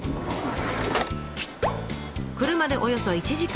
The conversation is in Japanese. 車でおよそ１時間。